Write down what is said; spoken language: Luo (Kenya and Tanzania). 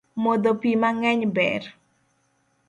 Modho pii mangeny ber